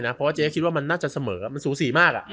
เพราะว่าเจ๊คิดว่ามันน่าจะเสมอมันสูสีมาก